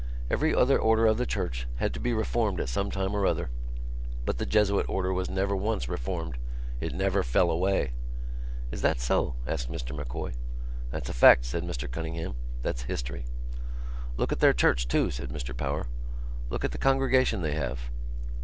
Every other order of the Church had to be reformed at some time or other but the Jesuit Order was never once reformed. It never fell away." "Is that so?" asked Mr M'Coy. "That's a fact," said Mr Cunningham. "That's history." "Look at their church, too," said Mr Power. "Look at the congregation they have."